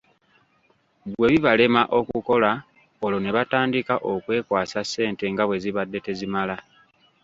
Bwebibalema okukola olwo nebatandika okwekwasa ssente nga bwezibadde tezitamala.